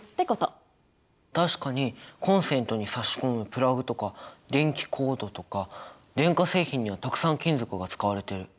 確かにコンセントに差し込むプラグとか電気コードとか電化製品にはたくさん金属が使われてる！